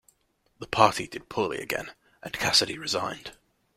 The party did poorly again, and Cassidy resigned.